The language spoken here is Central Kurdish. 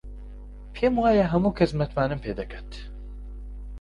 پێم وایە هەموو کەس متمانەم پێ دەکات.